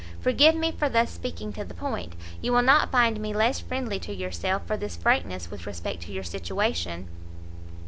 Forgive me for thus speaking to the point; you will not find me less friendly to yourself, for this frankness with respect to your situation."